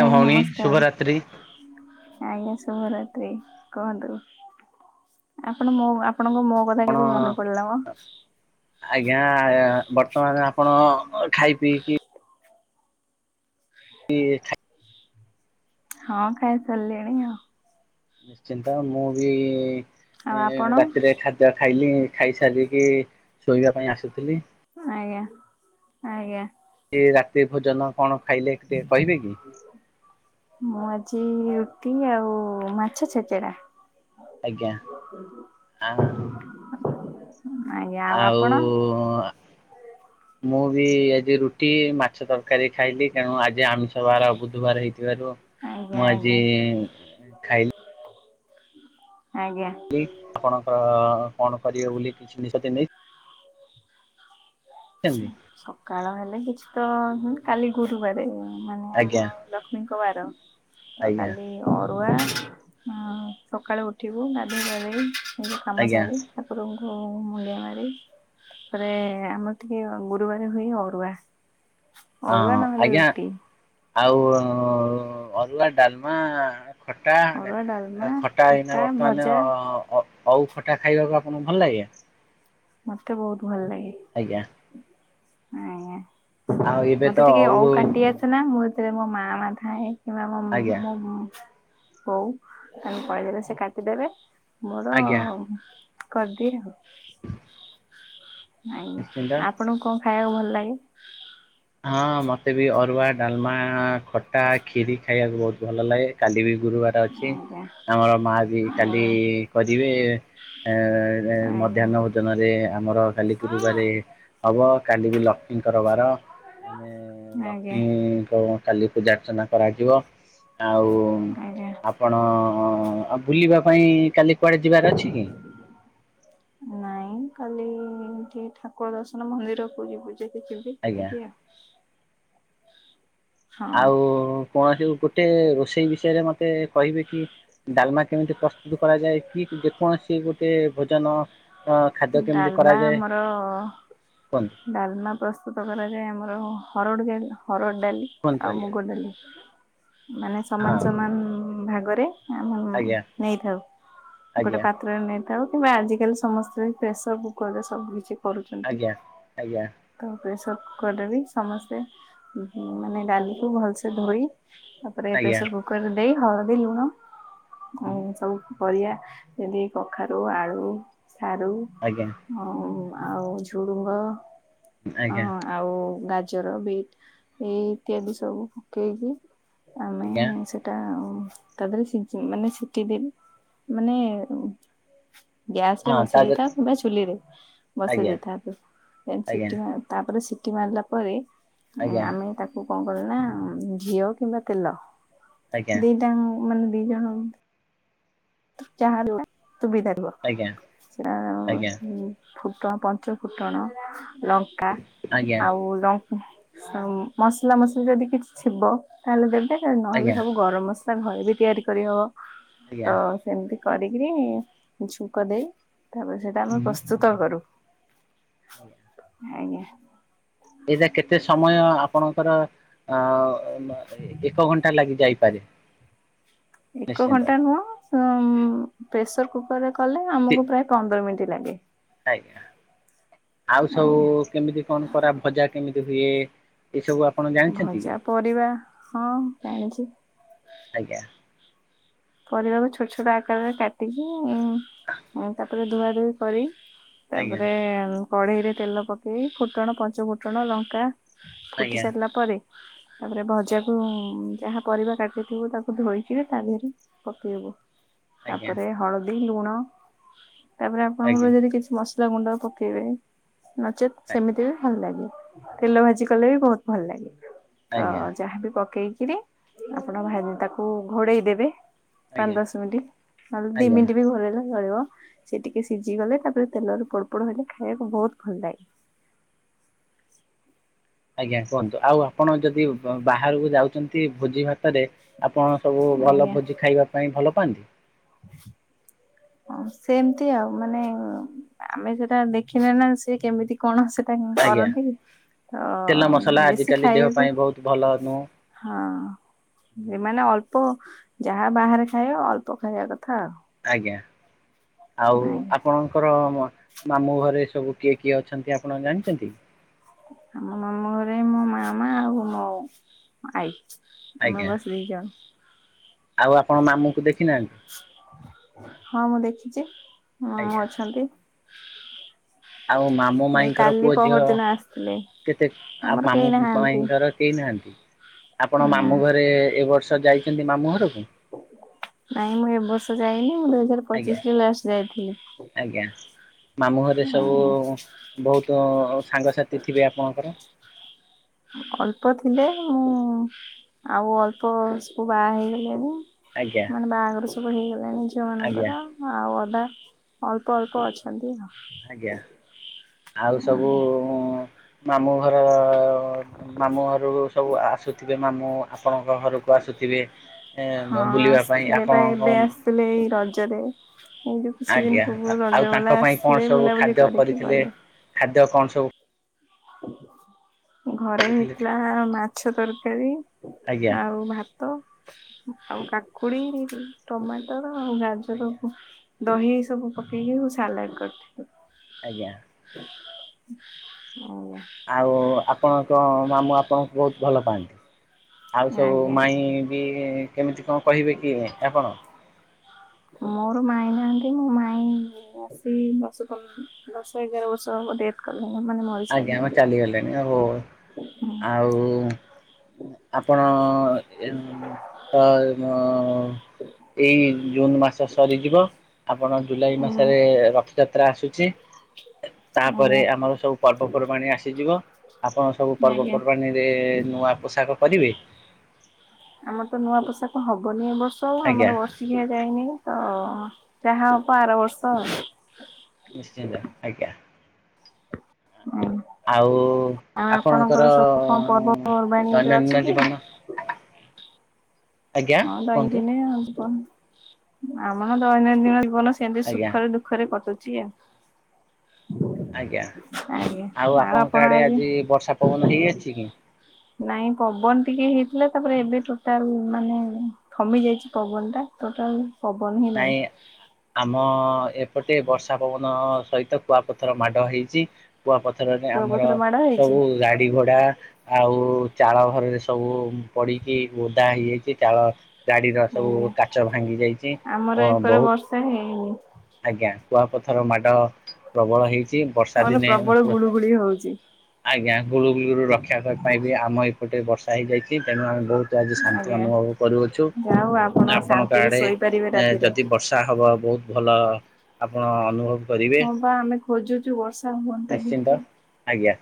ଆଜ୍ଞା ଭଉଣୀ ନମସ୍କାର ଶୁଭରାତ୍ରି। ଆଜ୍ଞା ଶୁଭରାତ୍ରି କୁହନ୍ତୁ। ଆପଣ ମୋ ଆପଣଙ୍କ ମୋ କଥା ଆପଣ କେମିତି ମନେ ପଡିଲା ମ ଆଜ୍ଞା ବର୍ତ୍ତମାନ ଆପଣ ଖାଇ ପିଇକି ଖାଇ [inaudible] ହଁ ଖାଇ ସାରିଲି। ଣି ଆଉ ନିଶ୍ଚିନ୍ତ ମୁଁ ବି ଆଉ ଆପଣ ରାତିରେ ଖା ଖାଇଲି ଖାଇସାରିକି ଶୋଇବା ପାଇଁ ଆସୁଥିଲି। ଆଜ୍ଞା ଆ୍ଞା। ଏ ରାତି ଭୋଜନ କଣ ଖାଇଲେ ଟିକେ କହିବେ କି? ମୁଁ ଆଜି ରୁଟି ଆଉ ମାଛ ଛେଚେଡା ଆଜ୍ଞା ଆଁ। ଆଜ୍ଞା ଆଉ ଆପଣ ମୁଁ ବି ଆଜି ରୁଟ ରୁଟି ମାଛ ତରକାରୀ ଖାଇଲି ତେଣୁ ଆଜି ଆମିଷ ବାର ବୁଧୁବାର ହେଇଥିବାରୁ। ଆଜ୍ଞା ମୁଁ ଆଜି ଆଜ୍ଞା ଖାଇଲି ଆଜ୍ଞା। ଆପଣଙ୍କର କଣ କରିବେ ବୋଲି କିଛି ନିଷତି ନେଇ ନେଇଛନ୍ତି ସକାଳ ହେଲେ କିଛି ତ କାଲି ଗୁରୁବାରେ ମାନେ ଆମ ଆଜ୍ଞା ଲକ୍ଷ୍ମୀଙ୍କ ବାର ତ ଆଜ୍ଞା କାଲି। ଅରୁଆ ସକାଳୁ ଉଠିବୁ ଗାଧେଇ ପାଧେଇ କାମ ଆଜ୍ଞା। ସାରି ଠାକୁରଙ୍କୁ ମୁଣ୍ଡିଆ ମାରି ତାପରେ ଆମ ଟିକେ ଗୁରୁବାର ହୁଏ ଅରୁଆ ଅରୁଆ ହଁ ନହେଲେ ଆଜ୍ଞା ରୁଟି। ଆଉ ଅରୁଆ ଡାଲମା ଖଟା ଅରୁଆ ଡାଲମା ଖଟା ଏଇନା ବର୍ତ୍ତମାନ ଭଜା ଅ ଅଉ ଖଟା ଖାଇବାକୁ ଆପଣଙ୍କୁ ଭଲ ଲାଗେ? ମତେ ବହୁତ ଭଲ ଲାଗେ। ଆଜ୍ଞା। ଆଜ୍ଞା ଆଉ ଏବେ ତ ମତେ ଟିକେ ଅଉ କାଟି ଆସେନା ମୁଁ ସେ ମୋ ମା ମାମା ଥାଏ କିମ୍ବା ମୋ ଆଜ୍ଞା। ଓ ହଉ ତାଲେ କଇଦେଲେ ସେ କାଟିଦେବେ ମୋର ଆଜ୍ଞା କରିଦିଏ ଆଉ। ନିଶ୍ଚିନ୍ତ। ଆଜ୍ଞା ଆପଣଙ୍କୁ କଣ ଖାଇବାକୁ ଭଲ ଲାଗେ- ହଁ ମତେ ବି ଅରୁଆ ଡାଲମା ଖଟା ଖିରି ଖାଇବାକୁ ବହୁତ ଭଲ ଲାଗେ କାଲି ବି ଗୁରୁବାର ଅଛି ଆଜ୍ଞା ଆମର ମା ବି କାଲି ଆଜ୍ଞା କରିବେ ଏ ଆଜ୍ଞା ମଧ୍ୟାହ୍ନ ଭୋଜନରେ ଆମର ଖାଲି ଗୁରୁବାରେ ହବ, କାଲି ବି ଲକ୍ଷ୍ମୀଙ୍କର ବାର। ଆମେ ଆଜ୍ଞା ଲକ୍ଷ୍ମୀଙ୍କୁ କାଲି ପୂଜା ଅର୍ଚ୍ଚନା କରାଯିବ। ଆଉ ଆଜ୍ଞା। ଆପଣ ଆଉ ବୁଲିବା ପାଇଁ କାଲି କୁଆଡେ ଯିବାର ଅଛି କି ନାଇଁ କାଲି ଏଠି ଠାକୁର ଦର୍ଶନ ମନ୍ଦିରକୁୁ ଯିବୁ ଯେ ଦେଖିକି ଆଜ୍ଞା ଏତିକି ଆଉ କୌଣସି ଗୋଟେ ରୋଷେଇ ବିଷୟରେ ମତେ କହିବେ କି ଡାଲମା କେମିତି ପ୍ରସ୍ତୁତ କରାଯାଏ କି ଯେ କୌଣସି ଗୋଟେ ଭୋଜନ ଅ ହଁ ଖାଦ୍ୟ କେମିତି ଡାଲମା କରାଯାଏ ଆମର କୁହନ୍ତୁ ଡାଲମା ପ୍ରସ୍ତୁତ କରାଯାଏ ଆମର ହରଡ଼ ଜାଇ ହରଡ଼ ଡାଲି କୁହନ୍ତୁ ଆଉ ଆଜ୍ଞା ମୁଗଡାଲି, ମାନେ ହଁ ସମାନ ସମାନ ଭାଗରେ। ଆମେ ଆଜ୍ଞା ନେଇଥାଉ, ଗୋଟେ ଆଜ୍ଞା ପାତ୍ରରେ ନେଇଥାଉ କିମ୍ବା ଆଜିକାଲି ସମସ୍ତେ ପ୍ରେସର କୁକର ରେ ସବୁ କିଛି କରୁଛନ୍ତି। ଆଜ୍ଞା ଆଜ୍ଞା ତ ପ୍ରେସର କୁକର ରେ ବି ସମସ୍ତେ ମାନେ ଡାଲିକୁୁ ଭଲସେ ଧୋଇ। ତାପରେ ଆଜ୍ଞା ପ୍ରେସର କୁକର୍ ରେ ଦେଇ ହଳଦି ଲୁଣ ହୁଁ ଉଁ ସବୁ ପରିବା ଯଦି କଖାରୁ ଆଳୁ ସାରୁ। ଆଜ୍ଞା। ହ ଆଉ ଝୁଡୁଙ୍ଗ। ଆଜ୍ଞା ହଁ- ଆଉ ଗାଜର ବିଟ୍ ଏଇ ଇତ୍ୟାଦି ସବୁ ପକେଇକି ଆଉ। ଆଜ୍ଞା। ସେଟା ତାପରେ ସିଜେଇ ମାନେ ସିଟି ଦେବି। ମାନେ- ଗ୍ୟାସ ରେ ହଁ ବସେଇ ତା ଦେଇଥାଅ ଦେହରେ କିମ୍ବା ଚୁଲି ରେ ବସେଇ ଆଜ୍ଞା ଦେଇଥାନ୍ତୁ କି। ଆଜ୍ଞା ସିଟି ମା ତାପରେ ସିଟି ମାରିଲା ପରେ ଆଜ୍ଞା ଆମେ ତାକୁ। କଣ କରିବ ନା ଘିଅ କିମ୍ବା ତେଲ ଆଜ୍ଞା ଦିଟା ମାନେ ଦି ଜଣ। ଯାହା ହେଲେ ସୁବିଧା ରୁହ। ଆଜ୍ଞା ଆଜ୍ଞା ଫୁଟଣ ପଞ୍ଚ ଫୁଟଣ ଲଙ୍କା ଆଜ୍ଞା ଆଜ୍ଞା ଆଉ ଲଙ୍କ୍ ମସଲା ମସଲା ଯଦି କିଛି ଥିବ ତାହେଲେ ଦେବେ, ନହେଲେ ସବୁ ଗରମ ମସ୍ ସେଟା ଘରେ ବି ତିଆରି କରିହବ। ତ ଆଜ୍ଞା ସେମିତି କରିକିରି ଛୁଙ୍କ ଦେଇ, ତାପରେ ସେଇଟା ଆମେ ହୁଁ ପ୍ରସ୍ତୁତ କରୁ। ଆଜ୍ଞା। ଆଜ୍ଞା। ଏଇଟା କେତେ ସମୟ ଆପଣଙ୍କର ଅ ହ ମ ଏକ ଘଣ୍ଟା ଲାଗି ଯାଇପାରେ। ଏକ ନିଶ୍ଚିନ୍ତ ଘଣ୍ଟା ନୁହଁ, ସମ୍ ପ୍ରେସର କୁକରରେ କଲେ, ତି ଆମକୁ ପ୍ରାୟ ପନ୍ଦର ମିନିଟ୍ ଲାଗେ। ଆଜ୍ଞା, ଆଉ ସବୁ ଆଜ୍ଞା କେମିତି କଣ କରା ଭଜା କେମିତି। ହୁଏ। ଏ ସବୁ ଆପ୍ ଭଜା ପରିବା ହଁ ଜାଣିଛି। ଆଜ୍ଞା। ପରିବାକୁ ଛୋଟ ଛୋଟ ଆକାରରେ କାଟିକି, ତାପରେ ଧୁଆ ଧୁଇ କରି। ଆଜ୍ଞା ତାପରେ କଢ଼େଇରେ ତେଲ ପକେଇ ଫୁଟଣ ପଞ୍ଚ ଫୁଟଣ ଲଙ୍କା- ଫୁଟି ଆଜ୍ଞା ସାରିଲା ପରେ। ତାପରେ ଭଜାକୁ ଯାହା ପରିବା କାଟିଥିବୁ ତାକୁ ଧୋଇକିରି ତା ଦେହରେ ପକେଇବୁ, ଆଜ୍ଞା ତାପରେ ହଳଦୀ ଲୁଣ ତାପରେ ଆପଣଙ୍କର ଆଜ୍ଞା। ଯଦି କିଛି ମସ୍ ମସଲା ଗୁଣ୍ଡ ପକେଇବେ ନଚେତ୍ ସେମିତି ବି ଭଲ ଲାଗିବ। ତେଲ ଭାଜି କଲେ ବି ବହୁତ ଭଲ ଲାଗେ, ଆଜ୍ଞା ତ ଆଜ୍ଞା ଯାହାବି ପକେଇକିରି ଆପଣ ଭା ତାକୁ ଘୋଡ଼େଇ ଦେବେ। ପାଞ୍ଚ ଦଶ ମିନିଟ୍, ନହେଲେ ଦି ଆଜ୍ଞା ମିନିଟ୍ ବି ଘୋଡେଇଲେ ଚଳିବ। ସେ ଟିକେ ସିଝି ଗଲେ ତାପରେ ତେଲରେ ପଡ଼ପଡ଼ ହେଲେ ଖାଇବାକୁ ବହୁତ ଭଲ ଲାଗେ। ଆଜ୍ଞା କୁହନ୍ତୁ, ଆଉ ଆପଣ ଯଦି ବାହାରକୁ ଯାଉଚନ୍ତି ଭୋଜି ଭାତ ଭାତରେ ଆପଣ ସବୁ ଭଲ ଆଜ୍ଞା ଭୋଜି ଖାଇବା ପାଇଁ ଭଲ ପାଆନ୍ତି? ଅଁ ସେମତି ଆଉ ମାନେ ଆମେ ସେଟା ଦେଖିବା ନା ସେ କେମିତି କଣ ସେ କଣ ଆଜ୍ଞା କରନ୍ତି? ଅ ତେଲ ମସଲା ବେଶୀ ଆଜିକାଲି ଦେହ ଖାଇଆକୁ। ପାଇଁ ବହୁତ ଭଲ ନୁହଁ। ହଁ, ସେମାନେ ଅଳ୍ପ ଯାହା ବାହାରେ ଖାଇବେ ଅଳ୍ପ ଖାଇବା କଥା ଆଉ। ଆଜ୍ଞା। ଆଉ ଆଜ୍ଞା। ଆପଣଙ୍କର ମାମୁଁ ଘରେ ସବୁ କିଏ କିଏ ଅଛନ୍ତି? ଆପଣ ଜାଣିଚନ୍ତି? ଆମ ମାମୁଁ ଘରେ ମୋ ମାାମା ଆଉ ମୋ ଆଈ। ଆମ ଆଜ୍ଞା ବସ୍ ନେଇଯାଅ। [unintelligible] ଆଉ ଆପଣ ମାମୁଁକୁ ଦେଖିନାହାନ୍ତି? ହଁ ମୁଁ ଦେଖିଛି ମୋ ଆଜ୍ଞା ମାମୁଁ ଅଛନ୍ତି। ଆଉ ମାମୁଁ ଏଇ ମାଇଁଙ୍କର କାଲି ପୁଅ ଝିଅ ପହର ଦିନ ଆସିଥିଲେ। କେତେ ଆଉ ଆମର କେହି ମାମୁଁ ନାହାନ୍ତି ମାଇଙ୍କର କେଇନାହାନ୍ତି ଆପଣ ନା ମାମୁଁ ଘରେ ଏ ବର୍ଷ ଯାଇଚନ୍ତି ମାମୁଁ ଘରକୁ? ନାଇଁ ମୁଁ ଏ ବର୍ଷ ଯାଇନି ମୁଁ ଦୁଇ ହଜାର ଆଜ୍ଞା ପଚିଶରେ ଲାଷ୍ଟ ଯାଇଥିଲି। ଆଜ୍ଞା ମାମୁଁ ଘରେ ସବୁ ଆଜ୍ଞା ବହୁତ ସାଙ୍ଗସାଥି ଥିବେ ଆପଣଙ୍କର? ଅଳ୍ପ ଥିଲେ ମୁଁ ଆଉ ଅଳ୍ପ ସବୁ ବାହା ହେଇଗଲେଣିି। ଆଜ୍ଞା ମାନେ ବାହାଘର ସବୁ ହେଇଗଲାଣି ଝିଅ ଆଜ୍ଞା ମାନଙ୍କର ଆଉ ଅଧା ଅଳ୍ ଅଳ୍ପ ଅଳ୍ପ ଅଛନ୍ତି ଆଜ୍ଞା ଆଉ, ଆଜ୍ଞା। ଅଁ ମାମୁଁ ଘର ଅ ମାମୁଁ ଘର ସବୁ ଆସୁଥିବେ ମାମୁଁ ଆପଣଙ୍କ ଘରକୁ ଆସୁଥିବେ? ଏଁ ବୁଲିବା ପାଇଁ ଆପଣଙ୍କ ହେଲେ ଏଇ ରଜରେ ଏ ଯୁ ଆଜ୍ଞା ଆ ଆଉ ତାଙ୍କ ପାଇଁ କଣ ସବୁ ବୁଲାବୁଲି ଖାଦ୍ୟ କରିକି କରିଥିଲେ ଗଲେ। ଖାଦ୍ୟ କଣ ସବୁ ଘରେ କରିଥିଲେ? ହେଇଥିଲା ମାଛ ତରକାରୀ ଆଜ୍ଞା ଆଉ ଭା ତ ଆଉ କାକୁଡି ଟମାଟ ଆଉ ଗାଜର ଆଜ୍ଞା ଦହି ଏସବୁ ପକେଇକି ମୁଁ ସାଲାଟ କରିଥିଲି। ଆଜ୍ଞା। ଆଜ୍ଞା ଆଉ ଆପଣଙ୍କ ମାମୁଁ ଆପଣଙ୍କୁ ବହୁତ ଭଲ ପାଆନ୍ତି? ଆଉ ସବୁ ଆଜ୍ଞା ମାଇଁ ବି କେମିତି କଣ କହିବେ କି ଆପଣ? ମୋର ମାଇଁ ନାହାନ୍ତି ମୋ ମାଇଁ ସେ ଦଶ ପନ୍ଦ ଦଶ ଏଗାର ବର୍ଷ ହବ ଡେଥ କଲେଣି ମାନେ ମରି ଆଜ୍ଞା ଓ ଚାଲିଗଲେଣି ଓହୋ ହୁଁ ଆଉ ଆପଣ ତ ମ ଏଇ ଜୁନ ମାସ ସରିଯିବ ଆପଣ ଜୁଲାଇ ମାସରେ ରଥଯାତ୍ରା ଆସୁଚି। ତାପରେ ଆଜ୍ଞା ଆମର ସବୁ ପର୍ବପର୍ବାଣି ଆସିଯିବ ଆପଣ ସବୁ ଆଜ୍ଞା ପର୍ବପର୍ବାଣିରେ ନୂଆ ପୋଷାକ କରିବେ। ଆମର ତ ନୂଆ ପୋଷାକ ହବନି ଏ ବର୍ଷ ଆଜ୍ଞା ଆମର ବର୍ଷ କିୟା ଯାଇନି ବା ଯାହା ହବ ଆର ବର୍ଷ। ନିଶ୍ଚିନ୍ତ ଆଜ୍ଞା‍। ହୁଁ ଆଉ ଆପଣଙ୍କର ସବୁ କଣ ପର୍ବପର୍ବାଣିରେ ଦୈନନ୍ଦିନ ଅଛି କି ଜୀବନ ଆଜ୍ଞା ହଁ କୁହନ୍ତୁ ଦୈନନ୍ଦିନ ଆଉ ଯିବ। [unintelligible] ମା ଦୈନନ୍ଦିନ ଜୀବନ ସେମିତି ଆଜ୍ଞା ସୁଖରେ ଦୁଃଖ ଖ ରେ କଟୁଛି ଆଉ ଆଜ୍ଞା ଆଉ ଆପଣଙ୍କ ଆଡେ ଆଜି ବର୍ଷା ପବନ ହେଇଅଛି କି? ନାଇଁ ପବନ ଟିକେ ହେଇଥିଲା ତାପରେ ଏବେ ଟୋଟାଲ୍ ମାନେ ଥମିଯାଇଛି ପବନ ଟା ଟୋଟାଲ୍ ପବନ ହିଁ ନାହିଁ। ନାଇଁ ଆମ ଏପଟେ ବର୍ଷା ପବନ ସହିତ କୁଆପଥର ମାଡ଼ ହେଇଚି। କୁଆ ପଥରରେ ଆମର କୁଆପଥର ମାଡ ହେଇଛି। ସବୁ ଗାଡି ଘୋଡା ଆଉ ଚାଳ ଘରରେ ସବୁ ପଡିକି ଓଦା ହେଇଯାଇଛି ଚାଳ ଗାଡିର ସବୁ ଆଜ୍ଞା କାଚ ଭାଙ୍ଗି ଯାଇଚି। ଆମର ଏକରେ ବର୍ଷା ହେଇନି। ଆଜ୍ଞା। କୁଆପଥର ମାଡ ପ୍ରବଳ ହେଇଛି ବର୍ଷା ଦିନେ ପୁ [unintelligible] ହଉଚି। ଆଜ୍ଞା ଗୁଳୁଗୁଳିରୁ ରକ୍ଷା ପାଇବେ। ଆମ ଏପଟେ ବର୍ଷା ହେଇଯାଇଛି। ତେଣୁ ଆମେ ବହୁତ୍ ତ ଆଜି ଶାନ୍ତି ଆଜ୍ଞା ଅନୁଭବ କରୁଅଛୁ। ଯାଉ ଆପଣ ଆପଣଙ୍କ ଶାନ୍ତିରେ ଆଡେ ଶୋଇପାରିବେ ଏଁ ରାତିରେ। ଯଦି ବର୍ଷା ଟା ହବ ବହୁତ ଭଲ ଆପଣ ଅନୁଭବ କରିବେ ହଁ ପା ଆମେ ଖୋଜୁଚୁ ବର୍ଷା ହୁଅନ୍ତା କି ନିଶ୍ଚିନ୍ତ ଟିକେ ଆଜ୍ଞା।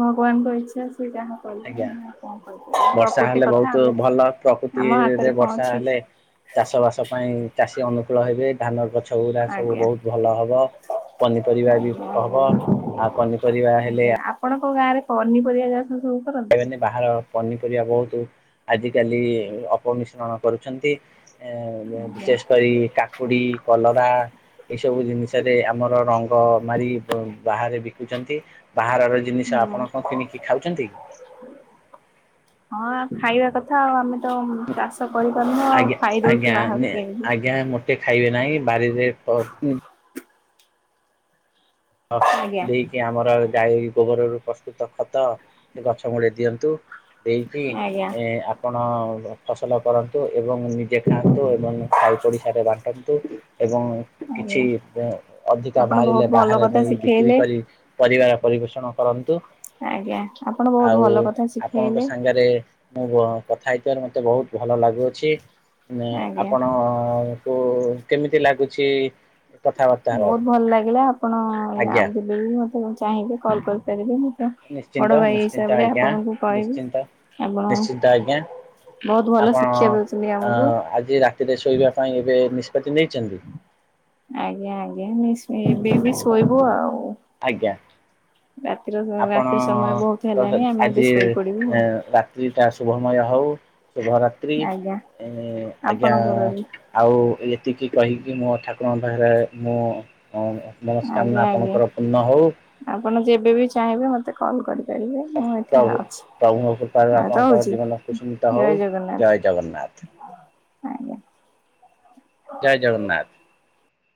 ଭଗବାନଙ୍କ ଇଚ୍ଛା ସେ ଯାହା କରିବେ ଆଜ୍ଞା ଆମେ ଆଉ କଣ କରି ପାରିବା। ବର୍ଷା ପ୍ରକୃତି ହେଲେ ବହୁତ କଥା ଆମେ ଭଲ ଆମ ହାତରେ କଣ ଅଛି। ଚାଷ ବାସ ପାଇଁ ଚାଷୀ ଅନୁକୂଳ ହେବେ ଧାନ ଗଛ ଗୁଡା ସବୁ ଆଜ୍ଞା। ବହୁତ ଭଲ ହବ। ପନିପରିବା ବି ଆଜ୍ଞା ହବ ଆଜ୍ଞା ଆଉ ପନିପରିବା ଆଜ୍ଞା ହେଲେ ଆପଣଙ୍କ ଗାଁରେ ପନିପରିବା ଚାଷ ସବୁ କରନ୍ତି? ଖାଇବେନି ବାହାର ପନିପରିବା ବହୁତୁ ଆଜିିକାଲି ଅପମିଶ୍ରଣ କରୁଛନ୍ତି। ଏ ଆଜ୍ଞା ବିଶେଷ କରି କାକ୍ କକୁଡି, କଲରା ଏଇସବୁ ଜିନିଷରେ ଆମର ରଙ୍ଗ ମାରିକି ବାହାରେ ବିକୁଛନ୍ତି। ବାହାରର ଜିନିଷ ହୁଁ। ଆପଣ କଣ କିଣିକି ଖାଉଛନ୍ତି କି? ହଁ ଖାଇବା କଥା ଆଉ ଆମେ ତ ଚାଷ କରିପାରୁନୁ ଆଉ ଖାଇଦଉଛୁ ବାହାରଘକୁ କିଣିକି। ସେ ଖାଇବେ ନାହିଁ ବାରିରେ ଫଳ। ହୁଁ। ହ ଆଜ୍ଞା ଦେଇକି ଆମର ଗାଈ ଗୋବରରୁ ପ୍ରସ୍ତୁତ ଖତ ସେ ଗଛ ମୂଳେ ଦିଅନ୍ତୁ। ଦେଇକି ଆଜ୍ଞା ଏଁ ଆ ଆପଣ ଫସଲ କରନ୍ତୁ ଏବଂ ନିଜେ ଖାଆନ୍ତୁ ଏବଂ ସହି ପଡିଶାରେ ବାଣ୍ଟନ୍ତୁ। ଏବଂ ଆଜ୍ଞା କିଛି [unintelligible] ଅଧିକା ଆପଣ ବହୁତ ବାହାରିଲେ ଭଲ ବାହାରେ କଥା ନେଇ ବିକ୍ରି ଶିଖେଇଲେ। କରି ପରିବାର ପରିବପୋଷଣ କରନ୍ତୁ। ଆଜ୍ଞା ଆପଣ ବହୁତ ଆଉ ଭଲ କଥା ଆପଣଙ୍କ ଶିଖେଇଲେ ସାଙ୍ଗରେ ମୁଁ କଥା ହେଇଥିବାରୁ ମୋତେ ବହୁତ ଭଲ ଲାଗୁଅଛି। ଆଜ୍ଞା। ଆପଣ କୁ କେମିତି ଲାଗୁଛି? କଥାବାର୍ତ୍ତା ହେବାରୁ ବହୁତ ଭଲ ଲାଗିଲା ଆପଣ ଆଜ୍ଞା। ଆଉ ଯବେ ବି ମତେ ଚାହିଁବେ କଲ୍ କରିପାରିବେ। ତ ନିଶ୍ଚିନ୍ତ ବଡ ଭାଇ ନିଶ୍ଚିନ୍ତ ହିସାବରେ ଆଜ୍ଞା ଆପଣଙ୍କୁ କହିବି। ନିଶ୍ଚିନ୍ତ ଆପଣ ନିଶ୍ଚିନ୍ତ ଆଜ୍ଞା ବହୁତ ଭଲ ଶିକ୍ଷା ଦଉଛନ୍ତି ଆମକୁ। ତେବେ ଶୋଇବା ପାଇଁ ଏବେ ନିଷ୍ପତି ନେଇଛନ୍ତି! ଆଜ୍ଞା ଆଜ୍ଞା ନିସ୍‌ [inaudible] ଏବେ [inaudible] ଏବେ ଶୋଇବୁ ଆଉ। ଆଜ୍ଞା। ରାତିର ଆପଣ ରାତ୍ରି ସମୟ ବହୁତ ହେଲାଣି ଆମେ ଏବେ ଆଜି ଶୋଇପଡିବୁ ଆଉ ରାତିଟା ଶୁଭମୟ ହଉ ଶୁଭରାତ୍ରି ଆଜ୍ଞା। ଆଜ୍ଞା ଆପଣଙ୍କର ବି ଆଉ ଏତିକି କହିକି ମୋ ଠାକୁରଙ୍କ ପାଖରେ ମୁଁ ଆଜ୍ଞା ମନସ୍କାମନା ଆଜ୍ଞା। ଆପଣଙ୍କର ପୂର୍ଣ୍ଣ ହଉ। ଆପଣ ଯେବେ ବି ଚାହିଁବେ ମତେ କଲ୍ କରିବେ। ପ୍ରଭୁ ପ୍ରଭୁ ଆଉ ଆପଣଙ୍କ ରହୁଛି ଜୀବନୁସିିତ ଜୟ ହଉ ଜଗନ୍ନାଥ ଜୟ ଜଗନ୍ନାଥ। ହ ଆଜ୍ଞା ଜୟ ଜଗନ୍ନାଥ